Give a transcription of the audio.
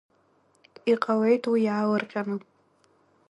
Иҟалеит уи иаалырҟьаны…